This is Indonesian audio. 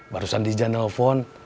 barusan dija nelfon